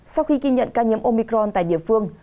sau khi ghi nhận ca nhiễm omicron tại địa phương